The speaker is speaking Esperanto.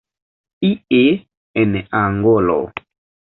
Ie en Angolo.